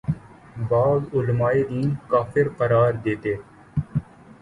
بعض علماے دین کافر قرار دیتے